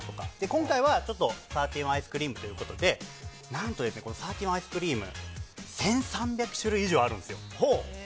今回はサーティワンアイスクリームということで何とサーティワンアイスクリーム１３００種類以上あるんですよ。